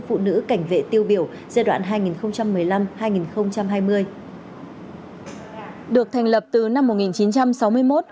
phụ nữ cảnh vệ tiêu biểu giai đoạn hai nghìn một mươi năm hai nghìn hai được thành lập từ năm một nghìn chín trăm sáu mươi một